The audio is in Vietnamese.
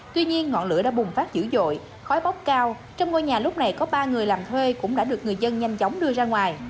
tuy nhiên ngọn lửa đã bùng phát dữ dội khói bốc cao trong ngôi nhà lúc này có ba người làm thuê cũng đã được người dân nhanh chóng đưa ra ngoài